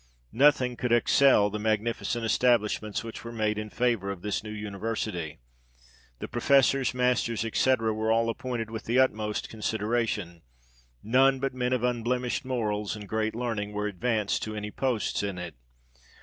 Nothing could excel the magnificent establishments which were made in favour of this new university. The professors, masters, &c. were all appointed with the utmost consideration ; none but men of unblemished morals, and great learning, were advanced to any posts in it.